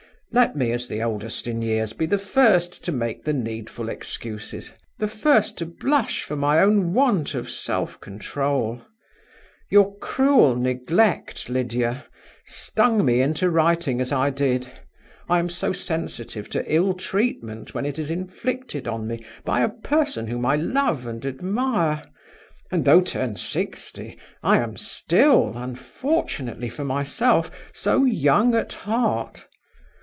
"Let me, as the oldest in years, be the first to make the needful excuses, the first to blush for my own want of self control. Your cruel neglect, Lydia, stung me into writing as I did. I am so sensitive to ill treatment, when it is inflicted on me by a person whom I love and admire; and, though turned sixty, I am still (unfortunately for myself) so young at heart.